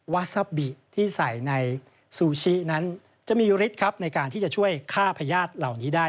ซาบิที่ใส่ในซูชินั้นจะมีฤทธิ์ครับในการที่จะช่วยฆ่าพญาติเหล่านี้ได้